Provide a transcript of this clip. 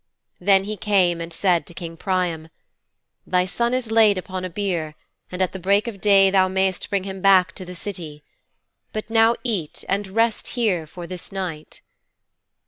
'Then he came and said to King Priam, "Thy son is laid upon a bier, and at the break of day thou mayst bring him back to the City. But now eat and rest here for this night."'